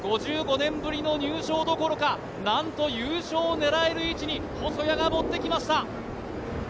５５年ぶりの入賞どころか、何と優勝を狙える位置に細谷が持ってきました。